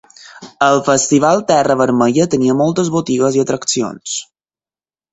El Festival Terra Vermella tenia moltes botigues i atraccions.